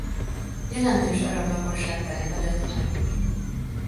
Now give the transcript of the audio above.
Jelentős arab lakosság telepedett meg.